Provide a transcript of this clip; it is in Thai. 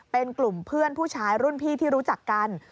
เป็นกลุ่มเพื่อนผู้ชายรุ่นพี่ที่รู้จักกัน